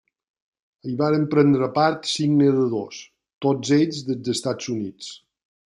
Hi van prendre part cinc nedadors, tots dels Estats Units.